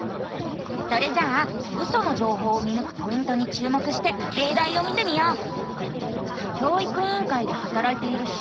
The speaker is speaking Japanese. それじゃあウソの情報を見ぬくポイントに注目してれいだいを見てみよう！